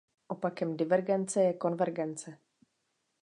Opakem divergence je konvergence.